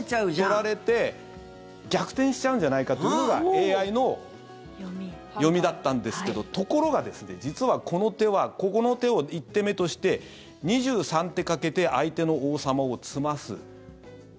取られて逆転しちゃうんじゃないかというのがＡＩの読みだったんですけどところが、実はこの手はここの手を１手目として２３手かけて相手の王様を詰ます。